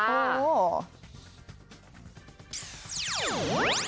โห